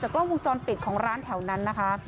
กล้องวงจรปิดของร้านแถวนั้นนะคะ